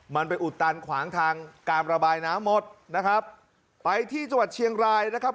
มันไปอุดตันขวางทางการระบายน้ำหมดนะครับไปที่จังหวัดเชียงรายนะครับ